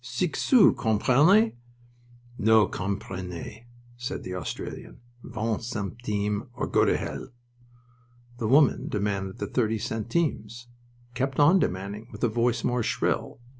Six sous, comprenez?" "No comprennye," said the Australian. "Vingt centimes, or go to hell." The woman demanded the thirty centimes; kept on demanding with a voice more shrill.